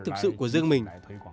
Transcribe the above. thực sự của riêng mình